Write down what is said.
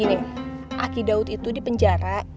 ini aki daud itu di penjara